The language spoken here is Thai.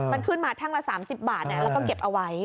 มันขึ้นมาแท่งละ๓๐บาทแล้วก็เก็บเอาไว้